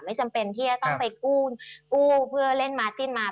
จำเป็นที่จะต้องไปกู้เพื่อเล่นมาร์จิ้นมา